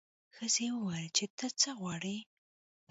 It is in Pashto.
ښځې وویل چې ته څه غواړې.